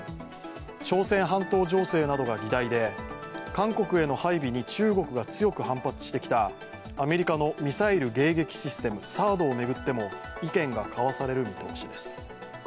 朝鮮半島情勢などが議題で韓国への配備に中国が強く反発してきたアメリカのミサイル迎撃システムＴＨＡＡＤを巡っても意見が交わされる見通しです。